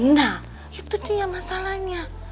nah itu dia masalahnya